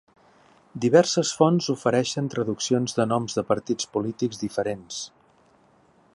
Diverses fonts ofereixen traduccions de noms de partits polítics diferents.